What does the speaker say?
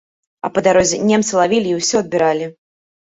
А па дарозе немцы лавілі і ўсё адбіралі.